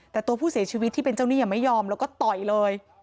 แต่ตัวผู้เสียชีวิตที่เป็นเจ้าหนี้ยังไม่ยอมแล้วก็ต่อยเลย